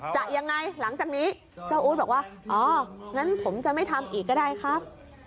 จะยังไงหลังจากนี้เจ้าอู๊ดบอกว่าอ๋องั้นผมจะไม่ทำอีกก็ได้ครับ